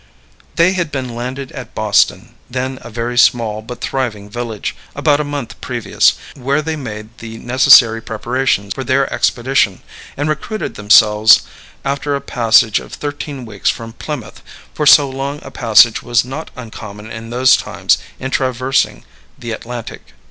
They had been landed at Boston, then a very small but thriving village, about a month previous, where they made the necessary preparations for their expedition, and recruited themselves after a passage of thirteen weeks from Plymouth, for so long a passage was not uncommon in those times in traversing the Atlantic.